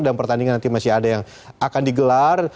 pertandingan nanti masih ada yang akan digelar